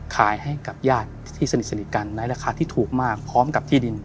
ขายให้กับญาติที่สนิทกันในราคาที่ถูกมากพร้อมกับที่ดิน